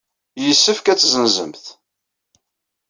Yessefk ad tt-tessenzemt.